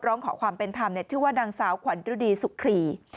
ร้องขอความเป็นธรรมชื่อว่านางสาวขวัญฤดีสุขรี